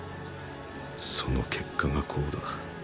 その結果がこうだ。